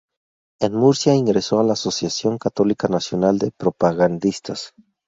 En Murcia ingresó en la Asociación Católica Nacional de Propagandistas.